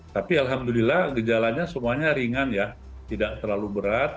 tapi alhamdulillah gejalannya semuanya ringan tidak terlalu berat